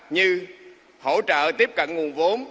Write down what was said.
như hỗ trợ tiếp cận nguồn vô